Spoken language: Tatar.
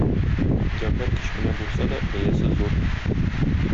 Гәүһәр кечкенә булса да, бәясе зур.